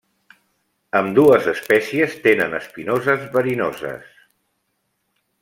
Ambdues espècies tenen espinoses verinoses.